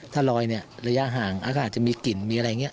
ถ้ารอยระยะห่างจะมีกลิ่นเป็นอะไรอย่างนี้